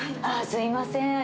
あーすいません。